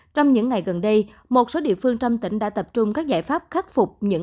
trong những ngày gần đây một số địa phương trong tỉnh đã tập trung các giải pháp khắc phục những